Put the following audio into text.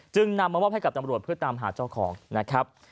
นำมามอบให้กับตำรวจเพื่อตามหาเจ้าของนะครับ